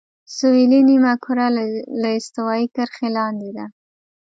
سویلي نیمهکره له استوایي کرښې لاندې ده.